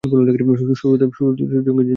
শুটুদার সঙ্গে যাও, তানি।